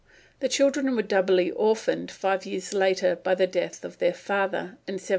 The children were doubly orphaned five years later by the death of their father, in 1783.